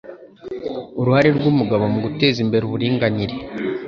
Uruhare rw' umugabo mu guteza imbere uburinganire